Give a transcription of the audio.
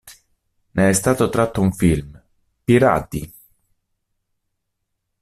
Ne è stato tratto un film, "Pirati!